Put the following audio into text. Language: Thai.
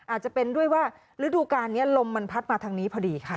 อาจจะเป็นด้วยว่าฤดูการนี้ลมมันพัดมาทางนี้พอดีค่ะ